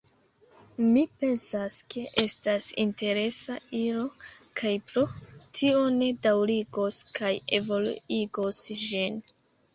Mi pensas ke estas interesa ilo, kaj pro tio ni daŭrigos kaj evoluigos ĝin.